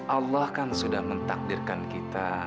allah kan sudah mentakdirkan kita